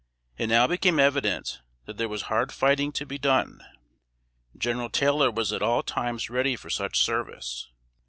It now became evident that there was hard fighting to be done. General Taylor was at all times ready for such service.